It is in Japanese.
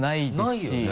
ないよね。